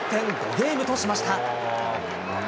ゲームとしました。